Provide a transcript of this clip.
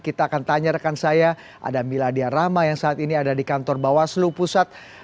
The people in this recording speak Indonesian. kita akan tanya rekan saya ada miladia rahma yang saat ini ada di kantor bawaslu pusat